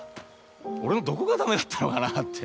俺のどこが駄目だったのかなって。